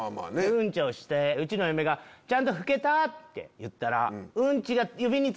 うんちをしてうちの嫁が「ちゃんと拭けた？」って言ったら。